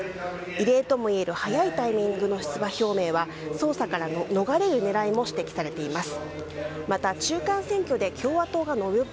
異例ともいえる早いタイミングの出馬表明は捜査から逃れる狙いも指摘されています。